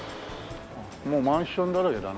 もうマンションだらけだな